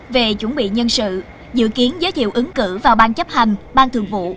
về chuẩn bị nhân sự dự kiến giới thiệu ứng cử vào bang chấp hành bang thường vụ